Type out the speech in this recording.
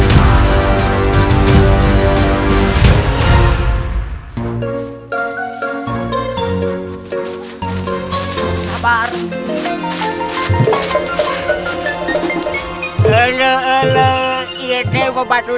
kau tidak cocok dengan dia